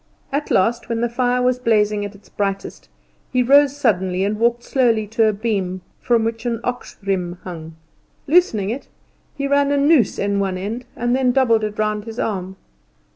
At last, when the fire was blazing at its brightest, he rose suddenly and walked slowly to a beam from which an ox riem hung. Loosening it, he ran a noose in one end and then doubled it round his arm.